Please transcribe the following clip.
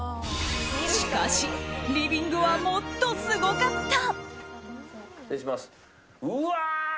しかし、リビングはもっとすごかった。